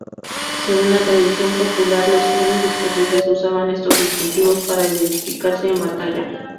Según la tradición popular, los clanes escoceses usaban estos distintivos para identificarse en batalla.